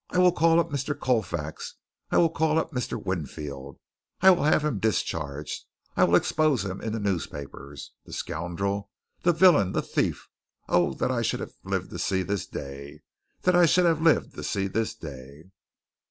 "I will call up Mr. Colfax. I will call up Mr. Winfield. I will have him discharged. I will expose him in the newspapers. The scoundrel, the villain, the thief! Oh, that I should have lived to see this day. That I should have lived to have seen this day!"